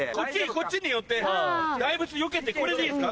こっちに寄って大仏よけてこれでいいか。